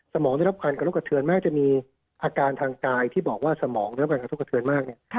สมองได้รับการกระทบกระเทือนแม้จะมีอาการทางกายที่บอกว่าสมองได้รับการกระทบกระเทือนมากเนี่ย